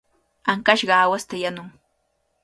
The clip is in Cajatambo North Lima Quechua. Ankashqa aawasta yanuy.